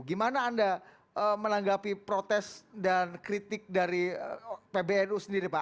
gimana anda menanggapi protes dan kritik dari pbnu sendiri pak